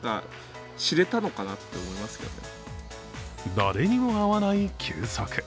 誰にも会わない休息。